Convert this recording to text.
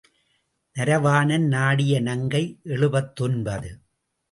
நரவாணன் நாடிய நங்கை எழுபத்தொன்பது.